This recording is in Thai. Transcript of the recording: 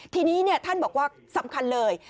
ทีนี้ท่านบอกว่าสำคัญเลย